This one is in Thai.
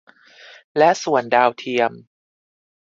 และส่วนดาวเทียม